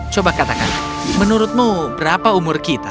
coba katakan menurutmu berapa umur kita